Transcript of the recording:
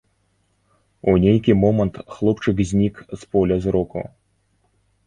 У нейкі момант хлопчык знік з поля зроку.